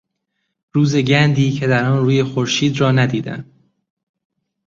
روز گندی که در آن روی خورشید را ندیدم